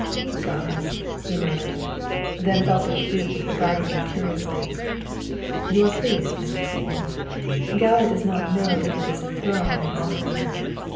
"Ye gods," he murmured, then felt that the duke was regarding him curiously. "You are pleased, Mr. Sydney? Galva does not know that it is a throne I am offering her.